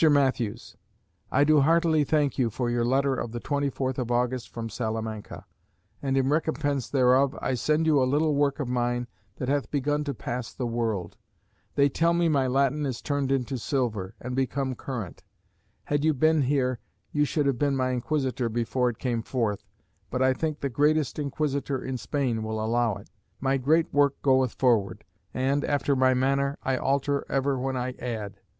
MATTHEWS, I do heartily thank you for your letter of the 24th of August from Salamanca; and in recompense thereof I send you a little work of mine that hath begun to pass the world. They tell me my Latin is turned into silver, and become current. Had you been here, you should have been my inquisitor before it came forth; but I think the greatest inquisitor in Spain will allow it.... My great work goeth forward, and, after my manner, I alter ever when I add.